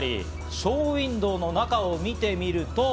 ショーウインドーの中を見てみると。